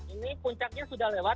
ini puncaknya sudah lewat